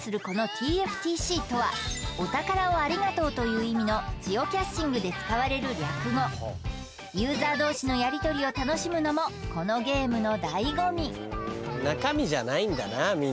このＴＦＴＣとはお宝をありがとうという意味のジオキャッシングで使われる略語ユーザー同士のやりとりを楽しむのもこのゲームのだいご味そうなんです